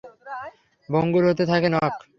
ভঙ্গুর হতে থাকে নখ।